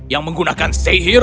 yang menggunakan sihir